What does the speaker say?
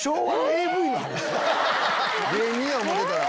⁉芸人や思うてたら。